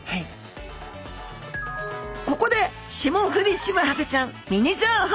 ここでシモフリシマハゼちゃんミニ情報。